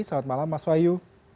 selamat malam mas wayu